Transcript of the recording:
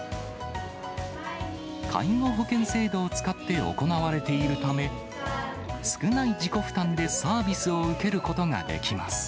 介護保険制度を使って行われているため、少ない自己負担でサービスを受けることができます。